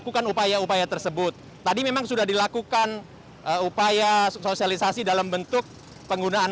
lakukan upaya upaya tersebut tadi memang sudah dilakukan upaya sosialisasi dalam bentuk penggunaan